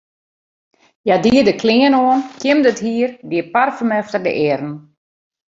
Hja die de klean oan, kjimde it hier, die parfum efter de earen.